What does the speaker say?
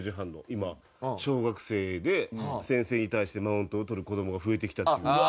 今小学生で先生に対してマウントをとる子どもが増えてきたっていう。